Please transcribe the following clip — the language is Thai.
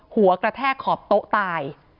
หัวกระแทกขอบโต๊ะตาย